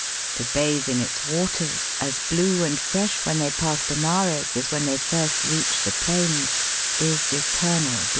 To bathe in its waters, as blue and fresh when they pass Benares as when they first reach the plains, is eternal bliss.